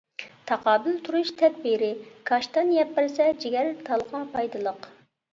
تاقابىل تۇرۇش تەدبىرى: كاشتان يەپ بەرسە جىگەر، تالغا پايدىلىق.